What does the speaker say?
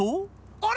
あれ！